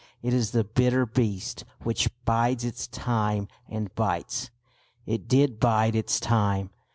It is the "bitter beast, which bides its time and bites." It did bide its time.